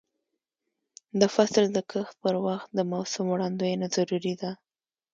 د فصل د کښت پر وخت د موسم وړاندوینه ضروري ده.